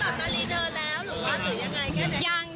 หว่าเราตอบตัชนั้นรีดเนอร์แล้วหรือว่าหนูยังไง